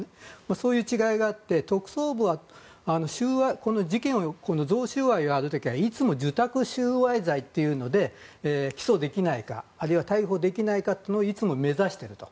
そういう違いがあって特捜部は贈収賄がある時はいつも受託収賄罪というので起訴できないかあるいは逮捕できないかをいつも目指してると。